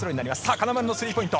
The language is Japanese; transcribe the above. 金丸のスリーポイント。